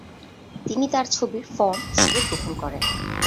তিনি তার ছবির ‘ফর্ম’ হিসেবে গ্রহণ করেন।